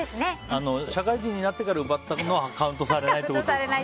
社会人になってから奪ったのはカウントされないってことですね。